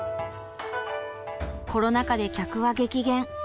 コロナ禍で客は激減。